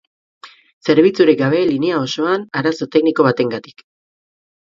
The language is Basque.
Zerbitzurik gabe linea osoan arazo tekniko bategatik.